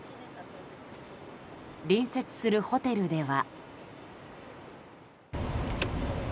隣接するホテルでは。